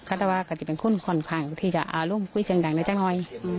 แต่ว่าเขาจะเป็นคนฟังในที่จะอารุ่มคุ้ยเสียงดังในจักรน้อย